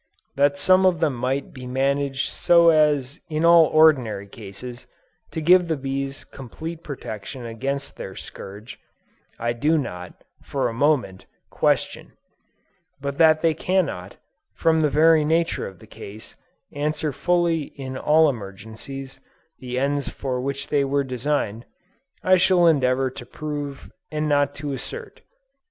That some of them might be managed so as in all ordinary cases, to give the bees complete protection against their scourge, I do not, for a moment, question; but that they cannot, from the very nature of the case, answer fully in all emergencies, the ends for which they were designed, I shall endeavor to prove and not to assert.